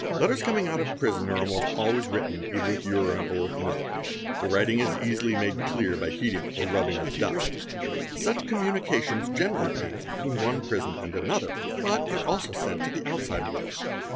Letters coming out of prison are almost always written either with 'urine or with milk; the writing is easily made clear by heating or rubbing with dust. Such communications generally pass between one prison 'and another, but are also sent to the outside world.